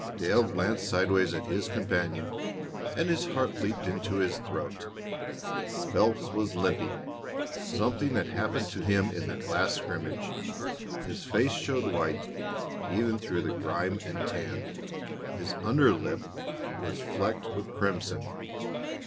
Dale glanced sideways at his companion, and his heart leaped into his throat. Phelps was limping; something had happened to him in that last scrimmage. His face showed white even through the grime and tan; his under lip was flecked with crimson.